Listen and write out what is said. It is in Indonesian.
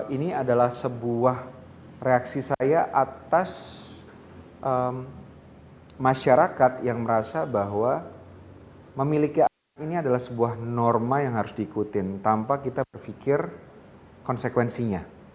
ini adalah sebuah reaksi saya atas masyarakat yang merasa bahwa memiliki anak ini adalah sebuah norma yang harus diikutin tanpa kita berpikir konsekuensinya